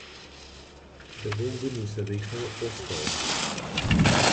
دە بۆم بنووسە دەیخەمە پۆستەوە